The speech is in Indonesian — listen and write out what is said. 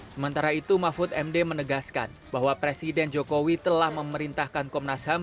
sementara itu mahfud md menegaskan bahwa presiden jokowi telah memerintahkan komnas ham